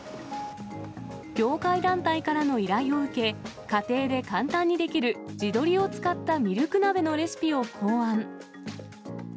業界団体からの依頼を受け、家庭で簡単にできる、地鶏を使ったミルク鍋のレシピを考案。